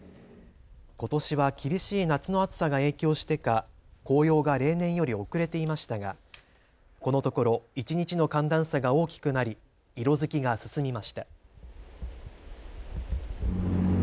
ことしは厳しい夏の暑さが影響してか紅葉が例年より遅れていましたがこのところ一日の寒暖差が大きくなり色づきが進みました。